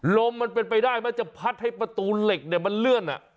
ลมมันเป็นไปได้ไหมจะพัดให้ประตูเหล็กเนี่ยมันเลื่อน